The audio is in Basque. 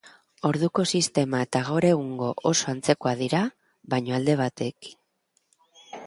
Orduko sistema eta gaur egungoa oso antzekoak dira, baina alde batekin.